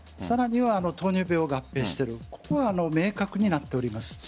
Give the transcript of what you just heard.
さらには糖尿病を合併していることこれが明確になっています。